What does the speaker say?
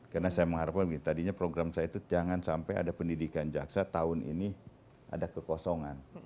karena saya mengharapkan begini tadinya program saya itu jangan sampai ada pendidikan jaksa tahun ini ada kekosongan